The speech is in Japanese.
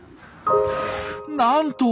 なんと！